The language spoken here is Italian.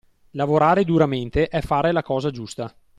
Lavorare duramente è fare la cosa giusta.